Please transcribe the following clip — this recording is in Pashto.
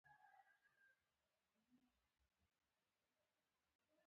د طالباني الهیاتو د مخینې پېژندلو لپاره.